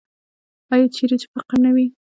آیا چیرې چې فقر نه وي؟